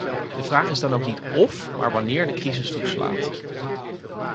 De vraag is dan ook niet of maar wanneer de crisis toeslaat.